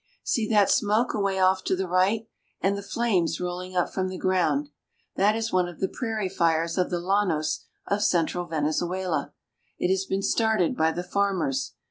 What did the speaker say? % See that smoke away off to the right, and the flames rolling up from the ground. That is one of the prairie fires of the llanos of central Venezuela. It has been started by the farmers.